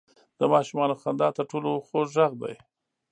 • د ماشومانو خندا تر ټولو خوږ ږغ دی.